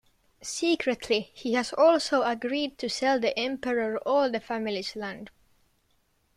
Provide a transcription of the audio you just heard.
Secretly, he has also agreed to sell the Emperor all the family's land.